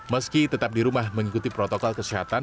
meski tetap di rumah mengikuti protokol kesehatan